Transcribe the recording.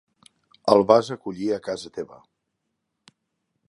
El vas acollir a casa teva.